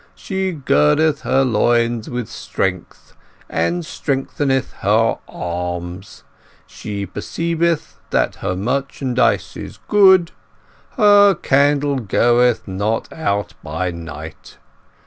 She girdeth her loins with strength and strengtheneth her arms. She perceiveth that her merchandise is good; her candle goeth not out by night.